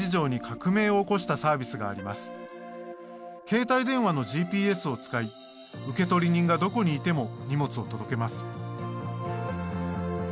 携帯電話のＧＰＳを使い受取人がどこにいても荷物を届けます。